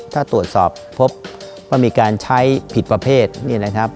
ถ้าตรวจสอบพบว่ามีการใช้ผิดประเภทนี่นะครับ